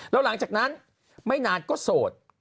แล้วหลังจากนั้นไม่นานก็โสด